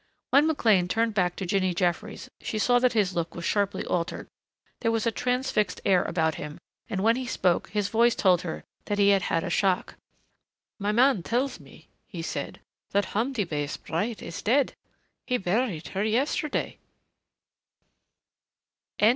When McLean turned back to Jinny Jeffries she saw that his look was sharply altered. There was a transfixed air about him and when he spoke his voice told her that he had had a shock. "My man tells me," he said, "that Hamdi Bey's bride is dead. He buried her yesterday."